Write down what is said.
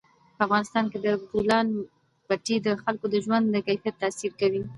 په افغانستان کې د بولان پټي د خلکو د ژوند په کیفیت تاثیر کوي.